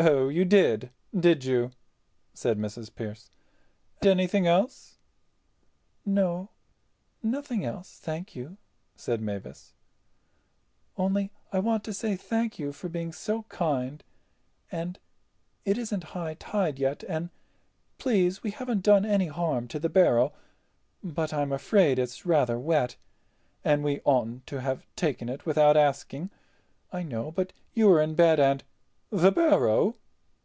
"Oh, you did, did you?" said Mrs. Pearce. "Anything else—?" "No, nothing else, thank you," said Mavis, "only I want to say thank you for being so kind, and it isn't high tide yet, and please we haven't done any harm to the barrow—but I'm afraid it's rather wet, and we oughtn't to have taken it without asking, I know, but you were in bed and—" "The barrow?"